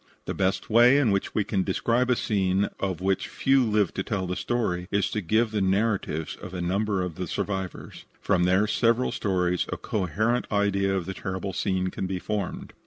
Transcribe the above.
The best way in which we can describe a scene of which few lived to tell the story, is to give the narratives of a number of the survivors. From their several stories a coherent idea of the terrible scene can be formed.